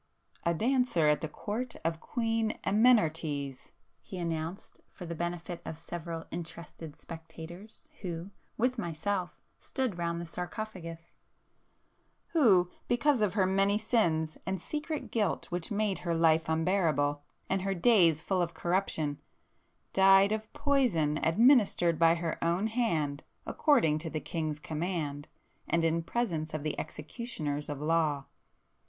"A dancer at the court of Queen Amenartes;" he announced for the benefit of several interested spectators who with myself, stood round the sarcophagus—"Who because of her many sins, and secret guilt which made her life unbearable, and her days full of corruption, died of poison administered by her own hand, according to the King's command, and in presence of the executioners of law.